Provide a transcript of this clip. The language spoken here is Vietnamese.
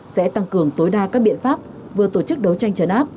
sẽ tăng cường tối đa các biện pháp vừa tổ chức đấu tranh chấn áp